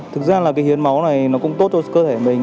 thực ra là cái hiến máu này nó cũng tốt cho cơ thể mình